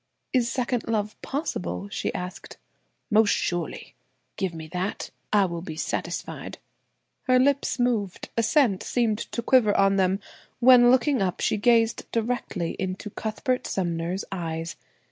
"Is second love possible?" she asked. "Most surely. Give me that; I will be satisfied." Her lips moved; assent seemed to quiver on them, when looking up, she gazed directly into Cuthbert Sumner's eyes.